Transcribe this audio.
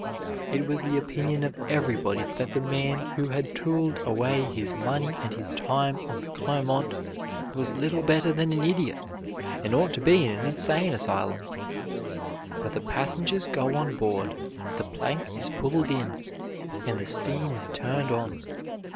It was the opinion of everybody that the man who had tooled away his money and his time on the Clermont was little better than an idiot, and ought to be in an insane asylum. But the passengers go on board, the plank is pulled in, and the steam is turned on.